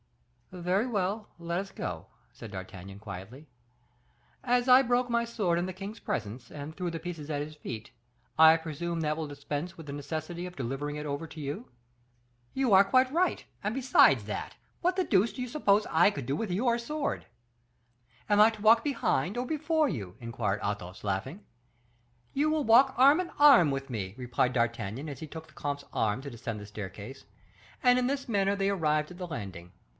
"Very well, let us go," said D'Artagnan, quietly. "As I broke my sword in the king's presence, and threw the pieces at his feet, I presume that will dispense with the necessity of delivering it over to you." "You are quite right; and besides that, what the deuce do you suppose I could do with your sword?" "Am I to walk behind, or before you?" inquired Athos, laughing. "You will walk arm in arm with me," replied D'Artagnan, as he took the comte's arm to descend the staircase; and in this manner they arrived at the landing.